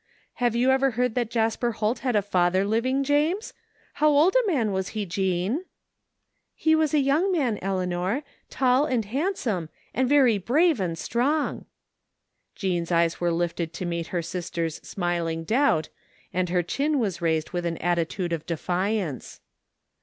" Have you ever heard that Jasper Holt had a father living, James? How old a man was he, Jean? "" He was a young man, Eleanor, tall and hand some, . and very brave and strong." Jean's eyes were lifted to meet her sister's smiling doubt, and her chin was raised with an attitude of defiance.